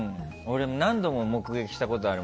何度も目撃したことある。